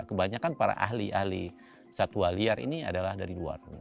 kebanyakan para ahli ahli satwa liar ini adalah dari luar